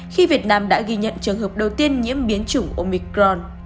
khi việt nam đã ghi nhận trường hợp đầu tiên nhiễm biến chủng omicron